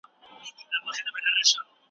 د دین مشران یوازې خپل لارویان مسلمان ګڼل.